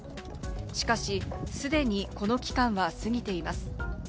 しかし、既にこの期間は過ぎています。